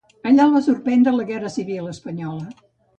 Allà el va sorprendre la Guerra Civil espanyola.